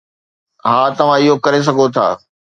ها، توهان اهو ڪري سگهو ٿا.